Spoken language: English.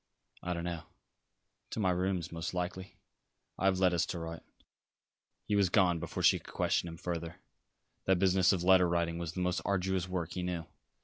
"I don't know. To my rooms, most likely. I have letters to write." He was gone before she could question him further. That business of letter writing was the most arduous work he knew.